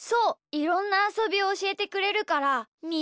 いろんなあそびをおしえてくれるからみ